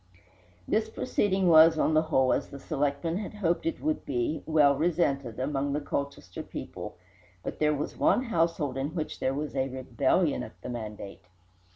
This proceeding was, on the whole, as the selectmen had hoped that it would be, "well resented" among the Colchester people, but there was one household in which there was rebellion at the mandate.